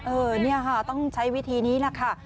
เออนี่ค่ะต้องใช้วิธีนี้นะคะ